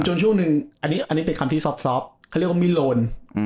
ช่วงหนึ่งอันนี้เป็นคำที่ซอบเขาเรียกว่ามิโลน